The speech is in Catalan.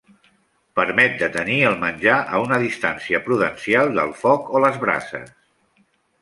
Permet de tenir el menjar a una distància prudencial del foc o les brases.